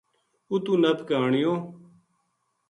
اُتو نپ کے آنیو